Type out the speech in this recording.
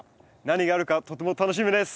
何があるかとても楽しみです。